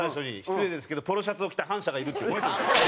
失礼ですけど「ポロシャツを着た反社がいる」ってこの人ですよ。